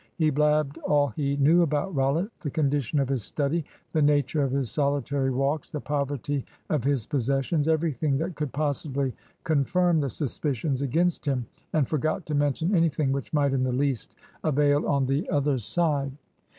He blabbed all he knew about Rollitt; the condition of his study, the nature of his solitary walks, the poverty of his possessions everything that could possibly confirm the suspicions against him; and forgot to mention anything which might in the least avail on the other side.